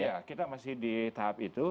ya kita masih di tahap itu